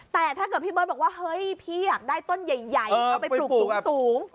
แต่ถ้าเกิดพี่เบิร์ตบอกว่าเฮ้ยพี่อยากได้ต้นใหญ่เอาไปปลูกสูง